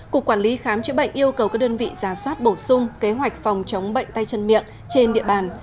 cục quản lý khám chữa bệnh yêu cầu các đơn vị giả soát bổ sung kế hoạch phòng chống bệnh tay chân miệng trên địa bàn